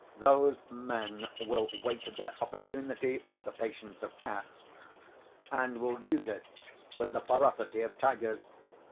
Those men will wait their opportunity with the patience of cats, and will use it with the ferocity of tigers.